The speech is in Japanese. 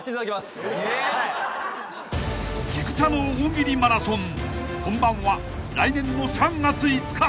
［菊田の大喜利マラソン本番は来年の３月５日］